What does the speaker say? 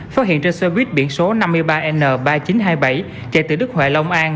phát hiện trên xe buýt biển số năm mươi ba n ba nghìn chín trăm hai mươi bảy chạy từ đức huệ long an